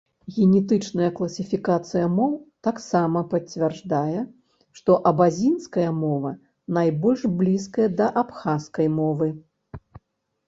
Генетычная класіфікацыя моў таксама пацвярджае, што абазінская мова найбольш блізкая да абхазскай мовы.